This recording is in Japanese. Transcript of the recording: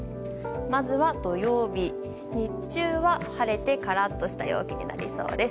まずは土曜日、日中は晴れてカラッとした陽気になりそうです。